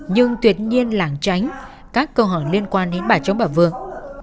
nhưng tuyệt nhiên lãng tránh các câu hỏi liên quan đến bà chống bà vương